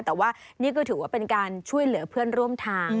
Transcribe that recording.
แต่ว่านี่ก็ถือว่าเป็นการช่วยเหลือเพื่อนร่วมทาง